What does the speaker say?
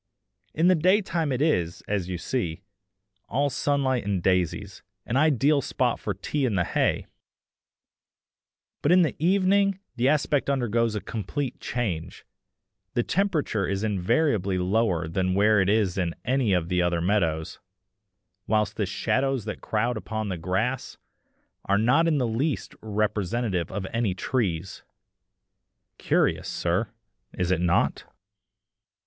In the day time it is, as you see, all sunlight and daisies, an ideal spot for tea in the hay; but in the evening the aspect undergoes a complete change. The temperature is invariably lower there than it is in any of the other meadows, whilst the shadows that crowd upon the grass are not in the least representative of any trees! Curious, sir, is it not?"